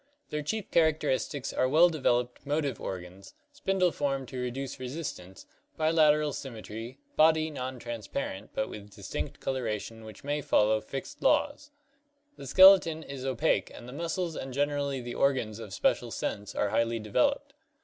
Their chief characteristics are well developed motive organs, spindle form to reduce resistance, bilateral symmetry, body non transparent, but with distinct coloration which may follow fixed laws (see faunal coloring, sea and air, page 235). The skeleton is opaque and the muscles and generally the organs of special sense are highly developed.